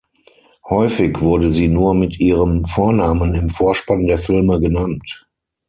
Häufig wurde sie nur mit ihrem Vornamen im Vorspann der Filme genannt.